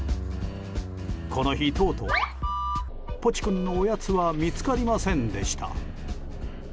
この日、とうとうポチ君のおやつは見つかりませんでした。